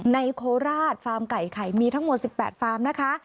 โคราชฟาร์มไก่ไข่มีทั้งหมด๑๘ฟาร์มนะคะ